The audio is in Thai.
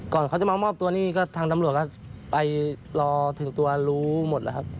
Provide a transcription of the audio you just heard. ก่อนเขาจะมามอบตัวนี่ก็ทางตำรวจก็ไปรอถึงตัวรู้หมดแล้วครับ